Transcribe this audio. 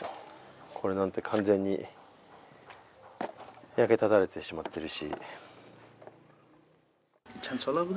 これなんて完全に焼けただれてしまってるし。